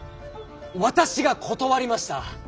私が断りました。